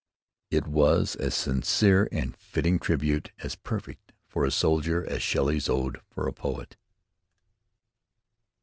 It was a sincere and fitting tribute, as perfect for a soldier as Shelley's "Ode" for a poet.